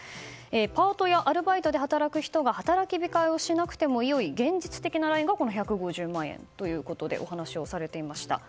パートやアルバイトで働く人が働き控えをしなくてもよい現実的なラインがこの１５０万円ということでお話をされていました。